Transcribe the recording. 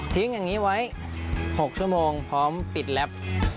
ทิ้งอย่างนี้ไว้๖ชั่วโมงพร้อมปิดแรป